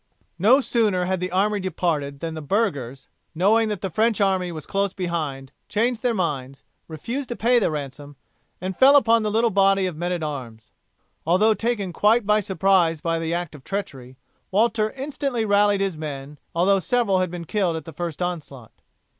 No sooner had the army departed than the burghers, knowing that the French army was close behind, changed their minds, refused to pay the ransom, and fell upon the little body of men at arms. Although taken quite by surprise by the act of treachery Walter instantly rallied his men although several had been killed at the first onslaught.